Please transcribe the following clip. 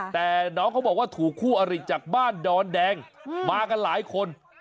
แต่น้องเขาบอกว่าถูกคู่อริจากบ้านดอนแดงมากันหลายคน